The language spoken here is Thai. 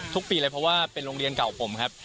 ทุกปีเลยเพราะว่าเป็นโรงเรียนเก่าผมครับ